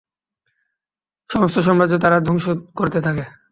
সমস্ত সাম্রাজ্য তারা ধ্বংস করতে থাকে।